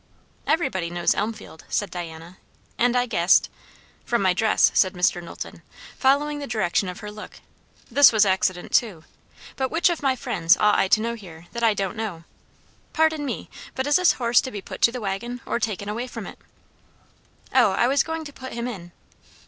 "Everybody knows Elmfield," said Diana; "and I guessed " "From my dress?" said Mr. Knowlton, following the direction of her look. "This was accident too. But which of my friends ought I to know here, that I don't know? Pardon me, but is this horse to be put to the waggon or taken away from it?" "O, I was going to put him in."